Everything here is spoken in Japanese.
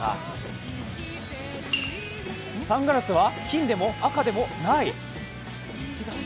サングラスは金でも赤でもない！